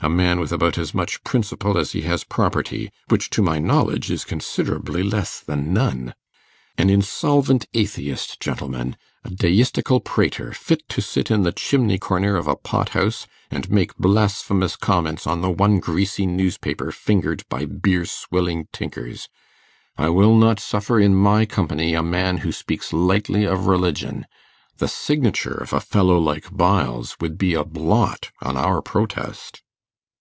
A man with about as much principle as he has property, which, to my knowledge, is considerably less than none. An insolvent atheist, gentlemen. A deistical prater, fit to sit in the chimney corner of a pot house, and make blasphemous comments on the one greasy newspaper fingered by beer swilling tinkers. I will not suffer in my company a man who speaks lightly of religion. The signature of a fellow like Byles would be a blot on our protest.